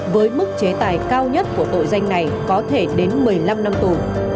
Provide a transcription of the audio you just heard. với mức chế tài cao nhất của tội danh này có thể đến một mươi năm năm tù